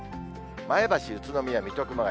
前橋、宇都宮、水戸、熊谷。